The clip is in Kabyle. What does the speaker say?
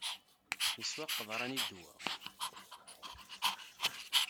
Yeswa qeḍran i ddwa.